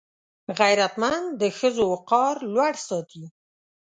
غیرتمند د ښځو وقار لوړ ساتي